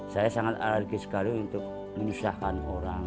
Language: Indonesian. saya sangat alergi sekali untuk menyusahkan orang